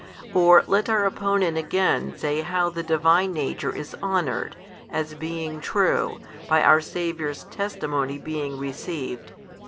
or let our opponent again say how the Divine Nature is honoured, as being true, by our Saviour's testimony being received.